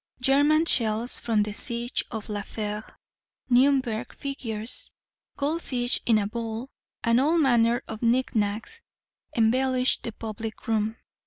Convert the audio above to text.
German shells from the siege of La Fère, Nürnberg figures, gold fish in a bowl, and all manner of knick knacks, embellished the public room.